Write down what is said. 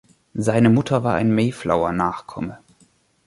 Seine Mutter war ein „Mayflower“-Nachkomme.